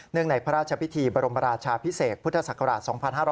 ในพระราชพิธีบรมราชาพิเศษพุทธศักราช๒๕๕๙